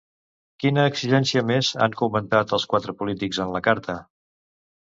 Quina exigència més han comentat els quatre polítics en la carta?